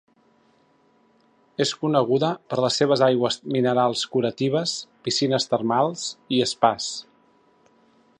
És coneguda per les seves aigües minerals curatives, piscines termals i Spas.